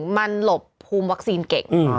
มันหลบภูมิวัคซีนเก่ง